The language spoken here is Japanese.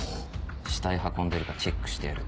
「死体運んでるかチェックしてやる」